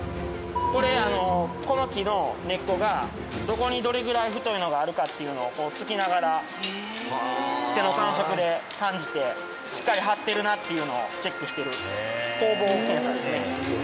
これあのこの木の根っこがどこにどれぐらい太いのがあるかっていうのを突きながら手の感触で感じてしっかり張ってるなっていうのをチェックしてる鋼棒検査ですね。